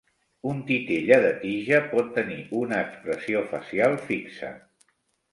Un titella de tija pot tenir una expressió facial fixa.